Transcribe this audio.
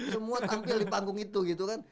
semua tampil di panggung itu gitu kan